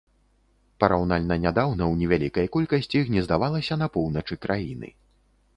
Параўнальна нядаўна ў невялікай колькасці гнездавалася на поўначы краіны.